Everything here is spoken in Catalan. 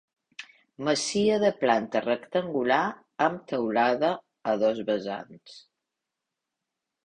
Masia de planta rectangular amb teulada a dos vessants.